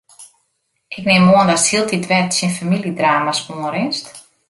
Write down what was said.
Ik nim oan datst hieltyd wer tsjin famyljedrama's oanrinst?